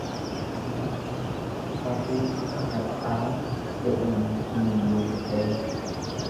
Safuu isa har'aa jedhe namichi mulluu fixee.